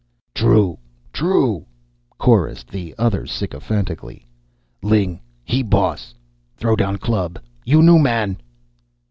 "True, true," chorused the others sycophantically. "Ling, he boss throw down club, you new man."